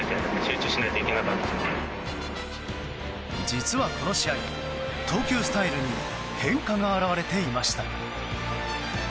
実はこの試合、投球スタイルに変化が表れていました。